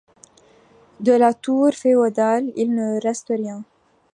De la tour féodale, il ne reste rien.